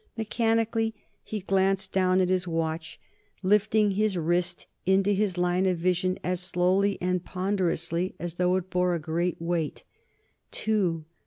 Mechanically, he glanced down at his watch, lifting his wrist into his line of vision as slowly and ponderously as though it bore a great weight. "Two